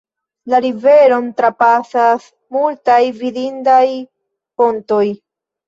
La riveron trapasas multaj vidindaj pontoj.